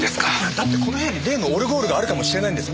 だってこの部屋に例のオルゴールがあるかもしれないんです。